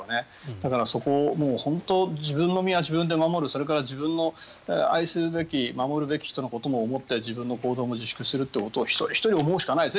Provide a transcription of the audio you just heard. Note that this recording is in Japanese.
だからそこを自分の身は自分で守るそれから自分の愛すべき守るべき人のことも思って自分の行動を自粛するということを一人ひとり思うしかないですね。